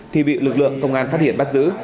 thì bị lực lượng công an phát hiện bắt giữ